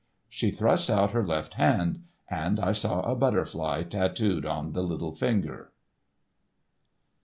She thrust out her left hand, and I saw a butterfly tattooed on the little finger.